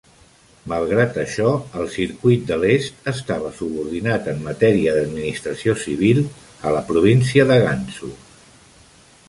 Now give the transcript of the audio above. Malgrat això, el Circuit de l'est estava subordinat en matèria d'administració civil a la província de Gansu.